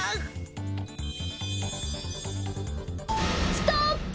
ストップ！